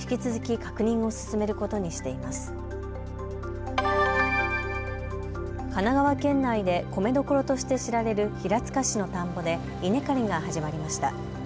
神奈川県内で米どころとして知られる平塚市の田んぼで稲刈りが始まりました。